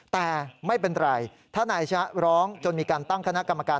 แต่ไม่เป็นไรถ้านายชะร้องจนมีการตั้งคณะกรรมการ